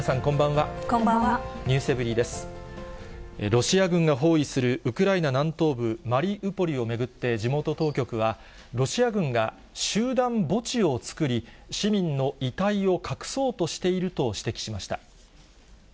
ロシア軍が包囲するウクライナ南東部マリウポリを巡って、地元当局は、ロシア軍が集団墓地を作り、市民の遺体を隠そうとしていると指摘しました。